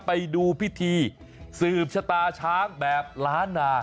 ไปดูพิธีสืบชะตาช้างแบบล้านนา